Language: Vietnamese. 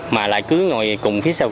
mà lại cứ ngồi cùng phía sau